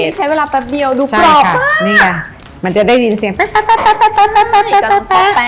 อู๋ใช้เวลาแปปเดียวดูปรอบอ่ามันจะได้ยินเสียงแป๊ก๋อแป๊ก๋อแป๊